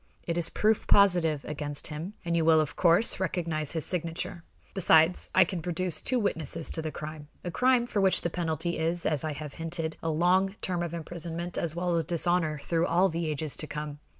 It is proof positive against him, and you will, of course, recognize his signature. Besides, I can produce two witnesses to the crime a crime for which the penalty is, as I have hinted, a long term of imprisonment as well as dishonor through all the ages to come.